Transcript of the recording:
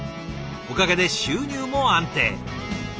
おかげで収入も安定。